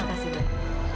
terima kasih dok